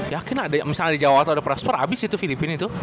yakin misalnya di jawa atau peras per abis itu filipin itu